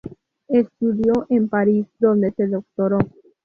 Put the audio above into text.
Estudió en París, donde se doctoró.